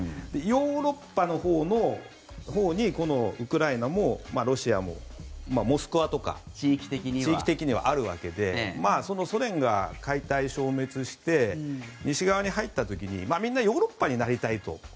ヨーロッパのほうにこのウクライナもロシアもモスクワとか地域的にはあるわけでソ連が解体・消滅して西側に入った時にみんなヨーロッパになりたいと。